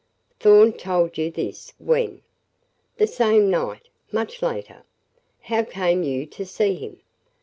"Thorn told you this when?" "The same night much later." "How came you to see him?"